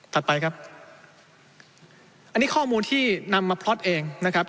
ไปครับอันนี้ข้อมูลที่นำมาพล็อตเองนะครับ